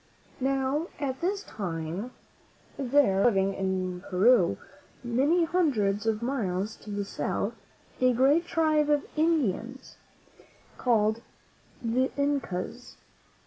Now, at this time there was living in Peru, many hundreds of miles to the South, a great tribe of Indians called the Incas.